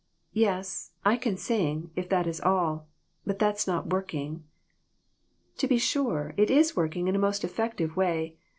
"Yes, I can sing, if that is all; but that's not working." "To be sure, it is working in a most effective way.